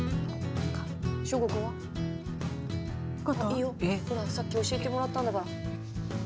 いいよほらさっき教えてもらったんだから。